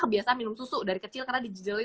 kebiasaan minum susu dari kecil karena dijijilin